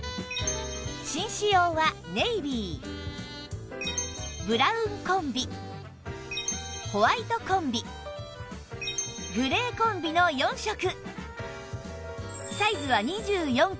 紳士用はネイビーブラウンコンビホワイトコンビグレーコンビの４色